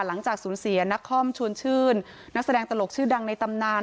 หลังจากสูญเสียนักคอมชวนชื่นนักแสดงตลกชื่อดังในตำนาน